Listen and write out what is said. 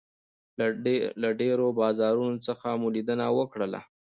له ډېرو بازارونو څخه مو لیدنه وکړله.